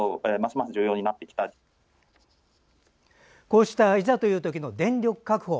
こうしたいざというときの電力確保